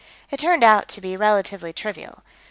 It turned out to be relatively trivial.